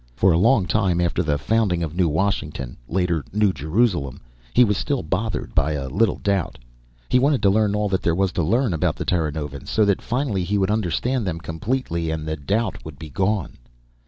For a long time after the founding of New Washington later New Jerusalem he was still bothered a little by doubt. He wanted to learn all that there was to learn about the Terranovans, so that finally he would understand them completely and the doubt would be gone.